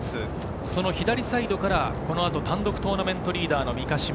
その左サイドからこの後、単独トーナメントリーダーの三ヶ島。